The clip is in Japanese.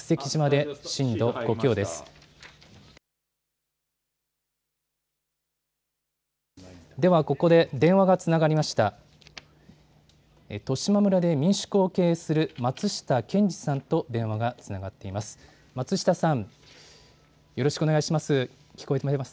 十島村で民宿を経営する松下さんと電話がつながっています。